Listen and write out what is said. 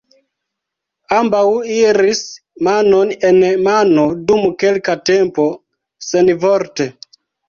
Ambaŭ iris manon en mano dum kelka tempo, senvorte.